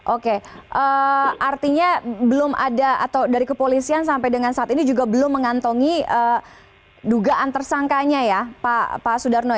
oke artinya dari kepolisian sampai saat ini juga belum mengantongi dugaan tersangkanya ya pak sudarno